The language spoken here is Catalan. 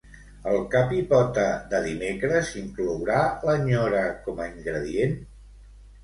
El cap i pota de dimecres inclourà la nyora com a ingredient?